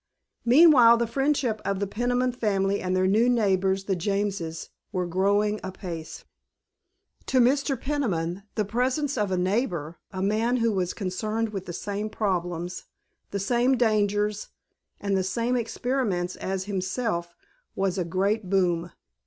Meanwhile the friendship of the Peniman family and their new neighbors, the Jameses, was growing apace. To Mr. Peniman the presence of a neighbor, a man who was concerned with the same problems, the same dangers, and the same experiments as himself, was a great boon.